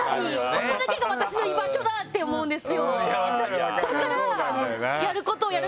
ここだけが私の居場所だって思うんです。